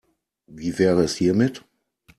Wie wäre es hiermit?